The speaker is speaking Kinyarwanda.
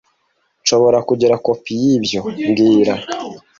Nshobora kugira kopi yibyo mbwira